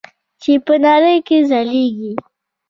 چې په نړۍ کې ځلیږي.